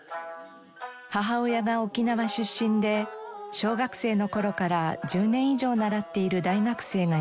母親が沖縄出身で小学生の頃から１０年以上習っている大学生がいます。